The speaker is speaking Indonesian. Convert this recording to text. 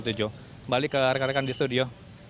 kembali ke rekan rekan di studio